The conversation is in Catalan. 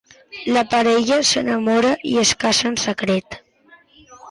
La parella s'enamora i es casa en secret.